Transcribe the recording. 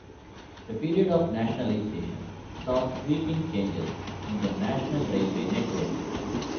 The period of nationalisation saw sweeping changes in the national railway network.